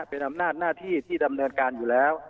เป็นอำนาจหน้าที่ที่ดำเนินการอยู่แล้ว